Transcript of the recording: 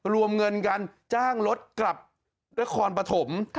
รวมเงินกันจ้างรถกลับนครปฐม